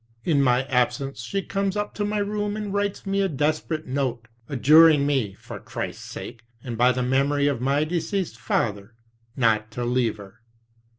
"In my absence she comes up to my room and writes me a desperate note, adjuring me, for Christ's sake, and by the memory of my deceased father, not to leave her."